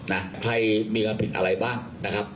นะใครมีความผิดอะไรบ้างนะครับ